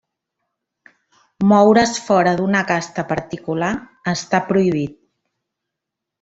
Moure's fora d'una casta particular està prohibit.